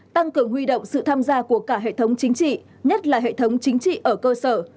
tăng cường huy động sự tham gia của cả hệ thống chính trị nhất là hệ thống chính trị ở cơ sở